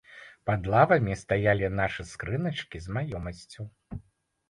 Пад лавамі стаялі нашы скрыначкі з маёмасцю.